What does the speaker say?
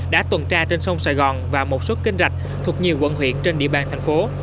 đã tuần tra trên sông sài gòn và một số kênh rạch thuộc nhiều quận huyện trên địa bàn thành phố